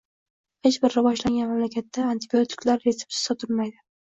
Hech bir rivojlangan mamlakatda antibiotiklar retseptsiz sotilmaydi!